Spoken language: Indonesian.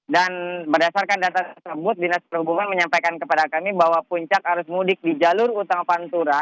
dan berdasarkan data tersebut dinas perhubungan menyampaikan kepada kami bahwa puncak arus mudik di jalur utama pantura